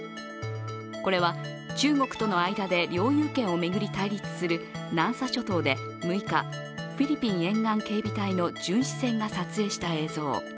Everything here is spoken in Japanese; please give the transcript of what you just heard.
これは、中国との間で領有権を巡り対立する南沙諸島で６日、フィリピン沿岸警備隊の巡視船が撮影した映像。